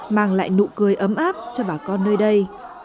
mang lại nụ cười ấm áp cho bà con nơi đây